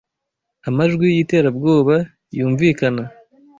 amajwi yiterabwoba Yunvikana